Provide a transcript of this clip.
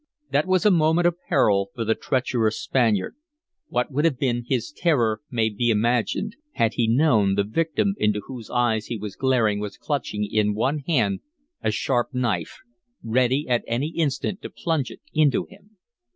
That was a moment of peril for the treacherous Spaniard; what would have been his terror may be imagined, had he known the victim into whose eyes he was glaring was clutching in one hand a sharp knife, ready at any instant to plunge it into him.